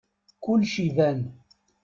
Kulec iban.